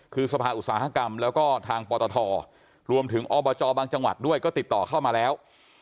คือสภาอุตสาหกรรมแล้วก็ทางปตทรวมถึงอบจบางจังหวัดด้วยก็ติดต่อเข้ามาแล้ว